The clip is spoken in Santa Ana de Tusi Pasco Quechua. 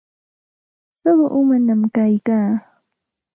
Suqu umañaq kayka.